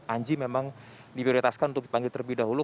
anji memang diprioritaskan untuk dipanggil terlebih dahulu